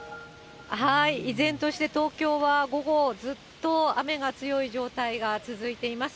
依然として東京は午後ずっと雨が強い状態が続いています。